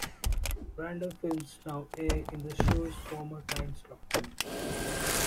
Random films now air in the show's former timeslot.